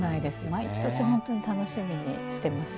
毎年、本当に楽しみにしています。